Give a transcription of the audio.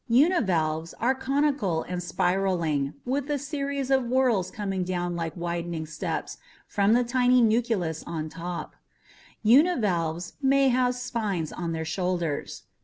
Univalves are conical and spiraling, with a series of whorls coming down like widening steps from the tiny nucleus on top. Univalves may have spines on their shoulders.